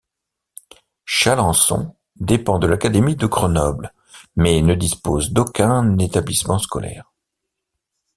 Chalancon dépend de l'académie de Grenoble mais ne dispose d'aucun établissement scolaire.